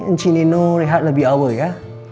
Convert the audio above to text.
nci nino rehat lebih lama ya